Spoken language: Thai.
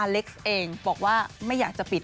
เล็กซ์เองบอกว่าไม่อยากจะปิด